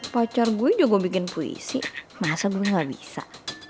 pocor gue juga bikin puisi masa gue gak bisa